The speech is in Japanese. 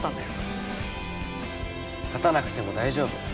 勝たなくても大丈夫。